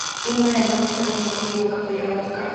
Himmler entonces presentó un testigo que apoyaba los cargos.